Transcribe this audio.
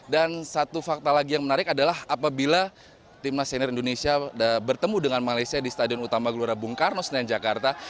dan satu fakta lagi yang menarik adalah apabila tim nasional indonesia bertemu dengan malaysia di stadion utama gelora bung kano senayan jakarta